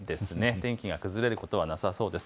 天気が崩れることはなさそうです。